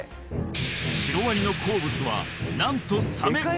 シロワニの好物は何とサメ！